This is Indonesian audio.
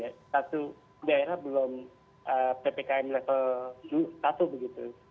satu daerah belum ppkm level satu begitu